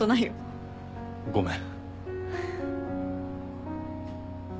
ごめん。